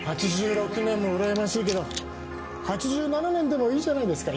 ８６年もうらやましいけど８７年でもいいじゃないですか。